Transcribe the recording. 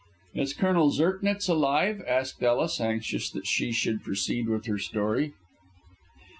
"Is Colonel Zirknitz alive?" asked Ellis, anxious that she should proceed with her story.